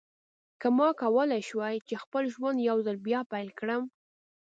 که ما کولای شوای چې خپل ژوند یو ځل بیا پیل کړم.